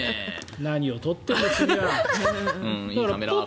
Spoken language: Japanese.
何を撮っているの君は。